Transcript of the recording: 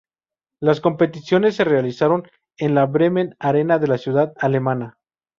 Las competiciones se realizaron en la Bremen Arena de la ciudad alemana.